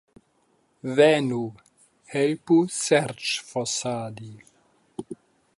Venu, helpu serĉfosadi.